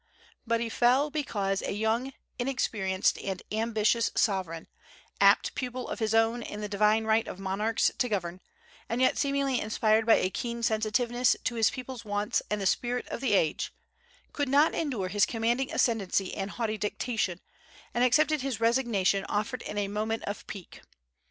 But he fell because a young, inexperienced, and ambitious sovereign, apt pupil of his own in the divine right of monarchs to govern, and yet seemingly inspired by a keen sensitiveness to his people's wants and the spirit of the age, could not endure his commanding ascendency and haughty dictation, and accepted his resignation offered in a moment of pique.